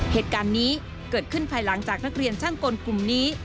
เหตุการณ์นี้เกิดขึ้นภายหลังจากนักเรียนช่างกลกลุ่มนี้